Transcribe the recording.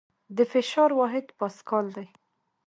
د فشار واحد پاسکال دی.